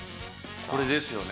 これですよね？